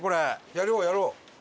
やろうやろう。